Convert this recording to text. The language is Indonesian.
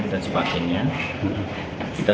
bagaimana perjalanan bagaimana perjalanan ke tempat kejadian